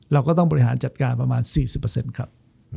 เราก็ต้องบริหารจัดการประมาณ๔๐ครับ